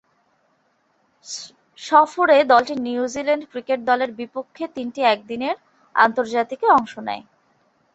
সফরে দলটি New Zealand cricket দলের বিপক্ষে তিনটি একদিনের আন্তর্জাতিকে অংশ নেয়।